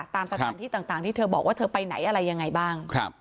ตามสถานที่ต่างที่เธอบอกว่าเธอไปไหนอะไรยังไงบ้าง